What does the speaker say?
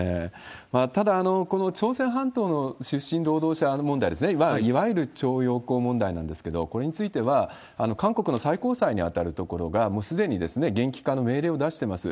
ただ、この朝鮮半島の出身労働者問題ね、いわゆる徴用工問題なんですけど、これについては韓国の最高裁に当たるところがもうすでに現金化の命令を出してます。